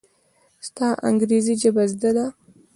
ستا انګرېزي ژبه زده ده!